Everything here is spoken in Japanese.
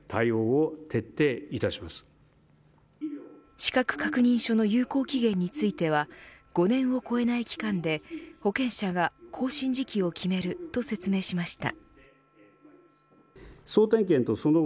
資格確認書の有効期限については５年を超えない期間で保険者が更新時期を決めると説明しました。